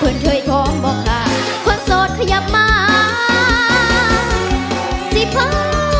เพื่อนเธอยของบอกค่ะคนสดขยับมาสีผ้าเหนียว